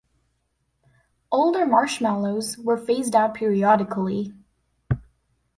Older marshmallows were phased out periodically.